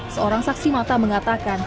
seorang saksi mata mengatakan